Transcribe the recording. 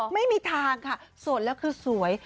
ไม่มีทางค่ะโสดแล้วคือสวย